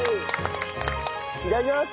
いただきます！